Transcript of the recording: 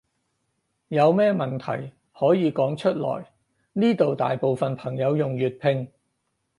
有咩問題可以講出來，呢度大部分朋友用粵拼